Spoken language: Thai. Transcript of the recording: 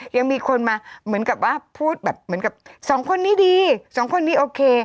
ยังมีคนมาเหมือนกับว่าพูดแบบเหมือนกับสองคนนี้ดีสองคนนี้โอเค